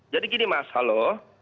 jadi gini mas halo